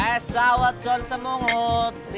estrawat john semungut